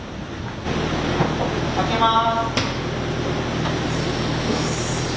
開けます。